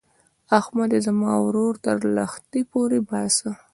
احمده؛ زما ورور تر لښتي پورې باسه.